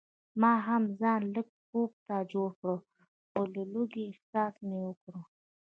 ما هم ځان لږ خوب ته جوړ کړ خو د لوږې احساس مې وکړ.